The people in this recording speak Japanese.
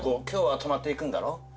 今日は泊まっていくんだろ